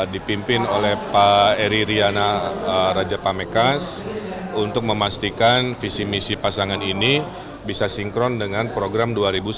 dipimpin oleh pak eri riana raja pamekas untuk memastikan visi misi pasangan ini bisa sinkron dengan program dua ribu sembilan belas